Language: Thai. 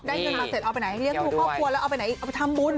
เงินมาเสร็จเอาไปไหนให้เลี้ยงดูครอบครัวแล้วเอาไปไหนเอาไปทำบุญ